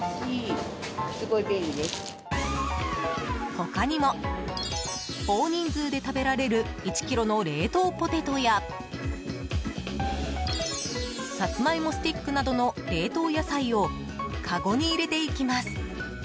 他にも、大人数で食べられる１ｋｇの冷凍ポテトやさつまいもスティックなどの冷凍野菜をかごに入れていきます。